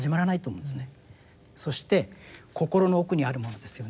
そして心の奥にあるものですよね。